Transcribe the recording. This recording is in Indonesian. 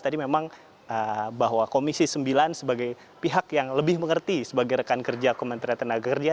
tadi memang bahwa komisi sembilan sebagai pihak yang lebih mengerti sebagai rekan kerja kementerian tenaga kerja